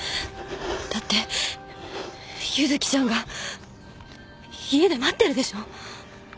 だって柚希ちゃんが家で待ってるでしょ。